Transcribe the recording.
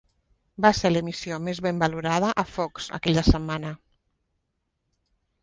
Va ser l'emissió més ben valorada a Fox, aquella setmana.